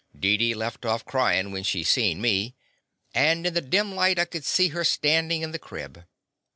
Deedee left off cryin' when she seen me, and in the dim light I could see her standin' in the crib.